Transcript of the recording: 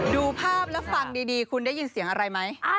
ดูภาพแล้วฟังดีคุณได้ยินเสียงอะไรไหม